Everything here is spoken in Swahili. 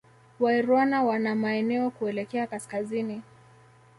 Wairwana wana maeneo kuelekea Kaskazini